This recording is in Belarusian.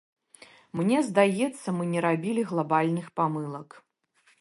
Мне здаецца, мы не рабілі глабальных памылак.